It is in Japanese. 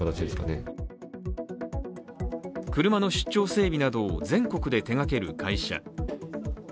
車の出張整備などを全国で手がける会社。